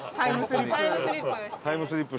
タイムスリップ。